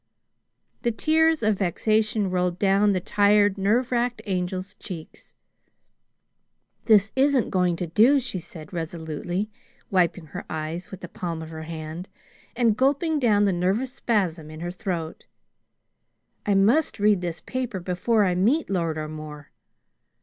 The tears of vexation rolled down the tired, nerve racked Angel's cheeks. "This isn't going to do," she said, resolutely wiping her eyes with the palm of her hand and gulping down the nervous spasm in her throat. "I must read this paper before I meet Lord O'More."